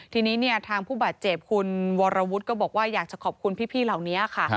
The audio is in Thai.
ทีนี้เนี่ยทางผู้บาดเจ็บคุณวรวุฒิก็บอกว่าอยากจะขอบคุณพี่เหล่านี้ค่ะ